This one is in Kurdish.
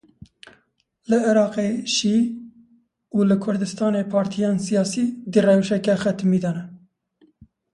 Li Iraqê Şîe û li Kurdistanê partiyên siyasî di rewşeke xetimî de ne.